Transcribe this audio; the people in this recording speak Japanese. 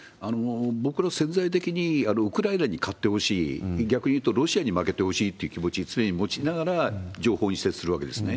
僕らは潜在的にウクライナに勝ってほしい、逆にいうと、ロシアに負けてほしいという気持ちを常に持ちながら情報に接するわけですね。